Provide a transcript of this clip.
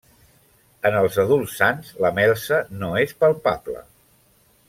En els adults sans, la melsa no és palpable.